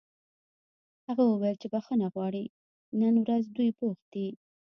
هغه وویل چې بښنه غواړي نن ورځ دوی بوخت دي